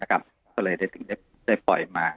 ก็เลยได้ถึงได้ปล่อยมา